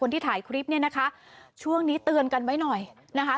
ที่ถ่ายคลิปเนี่ยนะคะช่วงนี้เตือนกันไว้หน่อยนะคะ